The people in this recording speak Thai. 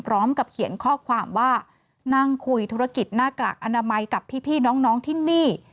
พร้อมกับเขียนข้อความว่านั่งคุยธุรกิจหน้ากากอนามัยกับพี่น้องที่นี่